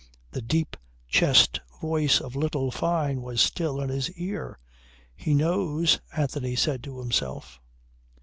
The deep chest voice of little Fyne was still in his ear. "He knows," Anthony said to himself.